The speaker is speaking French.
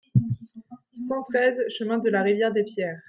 cent treize chemin de la Rivière des Pierres